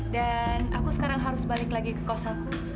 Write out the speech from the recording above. dan aku sekarang harus balik lagi ke kos aku